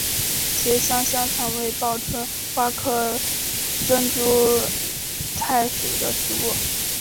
茄花香草为报春花科珍珠菜属的植物。